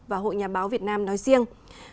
và hội nhà báo việt nam nói riêng